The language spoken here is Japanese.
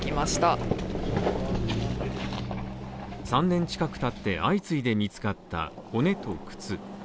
３年近くたって相次いで見つかった骨と靴。